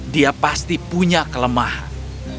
dia pasti punya kelemahan